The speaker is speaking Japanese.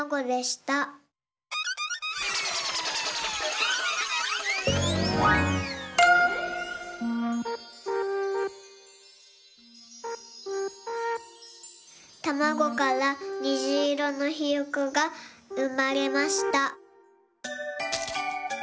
たまごからにじいろのひよこがうまれました。